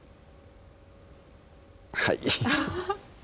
はい。